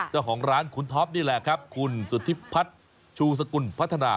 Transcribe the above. เจ้าของร้านคุณท็อปนี่แหละครับคุณสุธิพัฒน์ชูสกุลพัฒนา